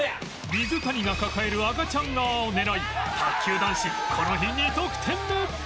水谷が抱える赤ちゃん側を狙い卓球男子この日２得点目